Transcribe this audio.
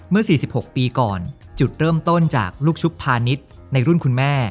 ๔๖ปีก่อนจุดเริ่มต้นจากลูกชุบพาณิชย์ในรุ่นคุณแม่